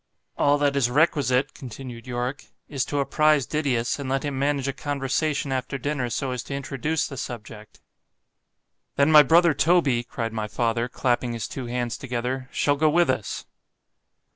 All that is requisite, continued Yorick, is to apprize Didius, and let him manage a conversation after dinner so as to introduce the subject.—Then my brother Toby, cried my father, clapping his two hands together, shall go with us.